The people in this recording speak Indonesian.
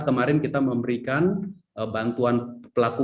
kemarin kita memberikan bantuan pelaku